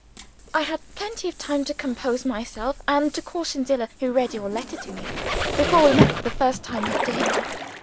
I had plenty of time to compose myself, and to caution Zillah (who read your letter to me), before we met for the first time that day.